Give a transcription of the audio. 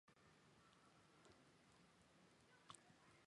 聚变能指利用核聚变产生能量。